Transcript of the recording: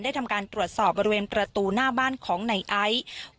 ทำการตรวจสอบบริเวณประตูหน้าบ้านของในไอซ์